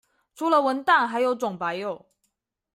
除了文旦還有種白柚